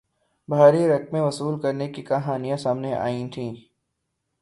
بھاری رقمیں وصول کرنے کی کہانیاں سامنے آئی تھیں